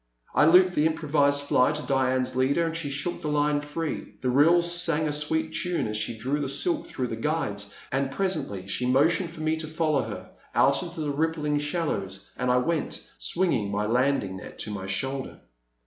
I looped the improvised fly to Diane's leader, and she shook the line free. The reel sang a sweet tune as she drew the silk through the guides, and presently she motioned me to follow her out into the rippling shallows, and I went, swinging my landing net to my shoulder.